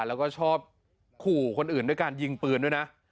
แล้วก็ชอบขู่คนอื่นด้วยการยิงปืนด้วยนะ